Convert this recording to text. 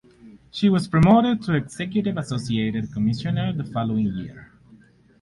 She was promoted to executive associate commissioner the following year.